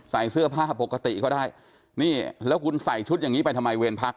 ใส่เสื้อผ้าปกติก็ได้นี่แล้วคุณใส่ชุดอย่างนี้ไปทำไมเวรพัก